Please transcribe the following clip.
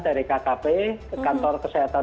dari kkp kantor kesehatan